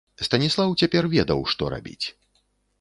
Станіслаў цяпер ведаў, што рабіць.